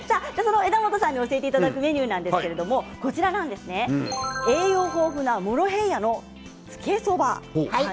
教えていただくメニューは栄養豊富なモロヘイヤのつけそば。